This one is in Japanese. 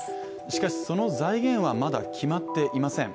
しかし、その財源はまだ決まっていません。